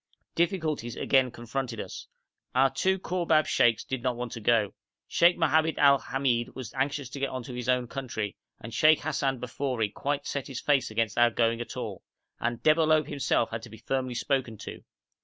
Difficulties again confronted us. Our two Kourbab sheikhs did not want to go. Sheikh Mohammed Ali Hamid was anxious to get on to his own country, and Sheikh Hassan Bafori quite set his face against our going at all, and Debalohp himself had to be firmly spoken to.